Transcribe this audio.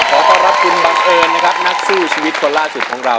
ขอต้อนรับคุณบังเอิญนะครับนักสู้ชีวิตคนล่าสุดของเรา